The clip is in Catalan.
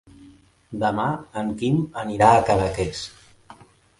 Demà en Quim anirà a Cadaqués.